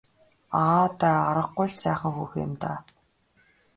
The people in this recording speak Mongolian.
Аа даа аргагүй л сайхан хүүхэн юм даа.